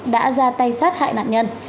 đã ra tay sát hại nạn nhân